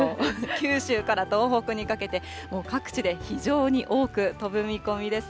九州から東北にかけて、もう各地で非常に多く飛ぶ見込みです。